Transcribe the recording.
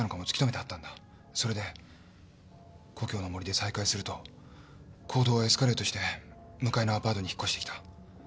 それで故郷の森で再会すると行動はエスカレートして向かいのアパートに引っ越してきた。